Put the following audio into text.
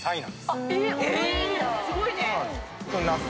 すごいね。